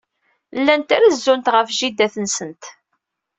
Llant rezzunt ɣef jida-tsent.